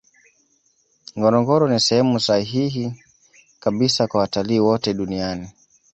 ngorongoro ni sehemu sahihi kabisa kwa watalii wote dunian